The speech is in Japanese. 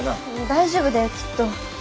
大丈夫だよきっと。